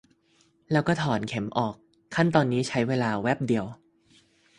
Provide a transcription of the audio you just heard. แล้วก็ถอนเข็มออก ขั้นตอนนี้ใช้เวลาแวบเดียว